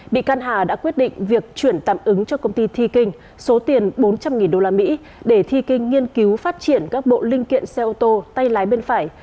bị can hà đã quyết định việc chuyển tạm ứng cho công ty t king số tiền bốn trăm linh đô la mỹ để t king nghiên cứu phát triển các bộ linh kiện xe ô tô tay lái bên phải